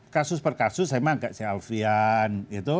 kasus per kasus memang tidak si alvian